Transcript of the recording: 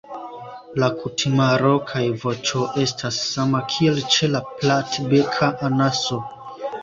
La kutimaro kaj voĉo estas sama kiel ĉe la Platbeka anaso.